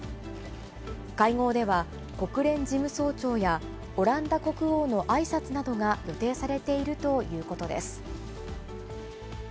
会合では、国連事務総長やオランダ国王のあいさつなどが予定されているということです。